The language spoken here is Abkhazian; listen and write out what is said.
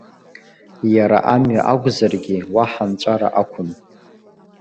Иара амҩа акәзаргьы уаҳа нҵәара ақәым.